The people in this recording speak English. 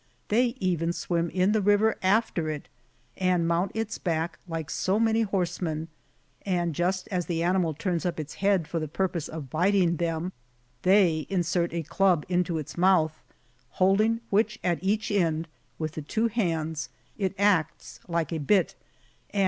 They even swim in the river after it, and mount its back like so many horsemen ; and just as the animal turns up its head for the pui pose of biting them, they insert a club into its mouth, holding which at each end, with the two hands, it acts like a bit, and.